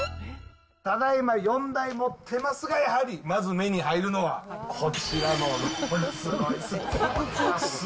ただいま、４台持ってますが、やはり、まず目に入るのは、こちらのロールスロイス。